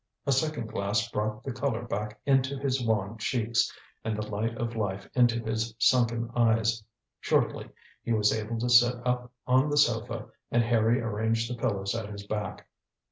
A second glass brought the colour back into his wan cheeks, and the light of life into his sunken eyes. Shortly he was able to sit up on the sofa and Harry arranged the pillows at his back.